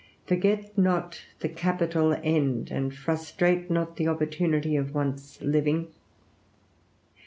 Forget not the capital end, and frustrate not the opportunity of once living.